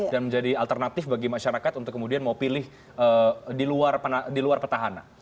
dan menjadi alternatif bagi masyarakat untuk kemudian mau pilih di luar petahana